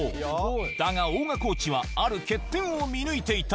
だが大神コーチはある欠点を見抜いていた。